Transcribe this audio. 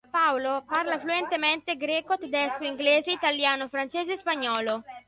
Paolo parla fluentemente greco, tedesco, inglese, italiano, francese e spagnolo.